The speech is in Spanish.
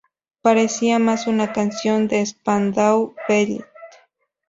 Parecía más una canción de Spandau Ballet.